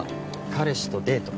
彼氏とデート？